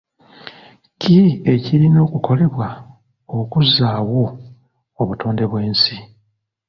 ki ekirina okukolebwa okuzzaawo obutonde bw'ensi?